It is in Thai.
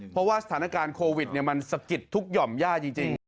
เพราะว่าสถานการณ์โควิดมันสะกิดทุกหย่อมย่าจริง